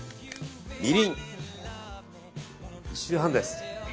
みりん、１周半です。